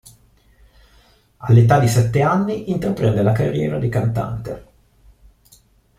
All'età di sette anni, intraprende la carriera di cantante.